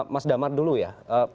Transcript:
mas damar dulu ya